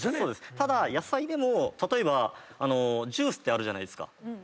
ただ野菜でも例えばジュースってあるじゃないですか。